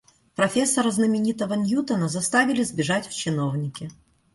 Профессора знаменитого Ньютона заставили сбежать в чиновники.